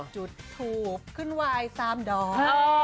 จุดทูบขึ้นวาย๓ดอก